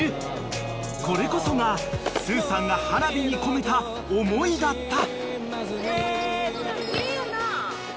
［これこそがすーさんが花火に込めた思いだった］